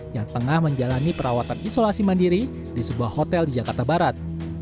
yang tengah menjalani perawatan isolasi mandiri di sebuah hotel di jakarta barat